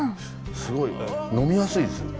すごい呑みやすいですね。